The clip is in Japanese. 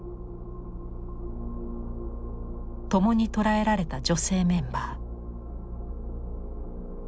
共に捕らえられた女性メンバー。